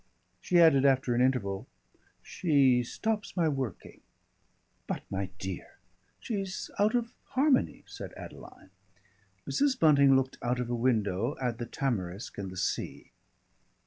She added after an interval, "She stops my working." "But, my dear!" "She's out of harmony," said Adeline. Mrs. Bunting looked out of her window at the tamarisk and the sea.